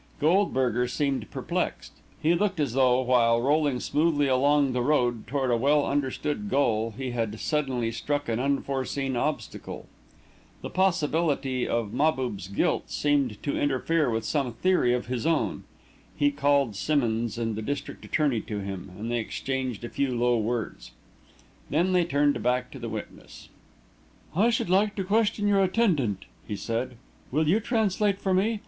Goldberger seemed perplexed. He looked as though, while rolling smoothly along the road toward a well understood goal, he had suddenly struck an unforeseen obstacle. The possibility of Mahbub's guilt seemed to interfere with some theory of his own. He called Simmonds and the district attorney to him, and they exchanged a few low words. Then he turned back to the witness. "I should like to question your attendant," he said. "Will you translate for me?